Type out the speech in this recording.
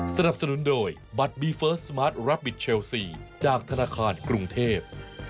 สนับสนุนโดยบัตรบีเฟิร์สสมาร์ทรับบิทเชลซีจากธนาคารกรุงเทพ